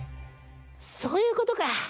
そういうことか！